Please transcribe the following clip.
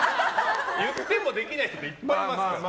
言ってもできない人いっぱいいますから。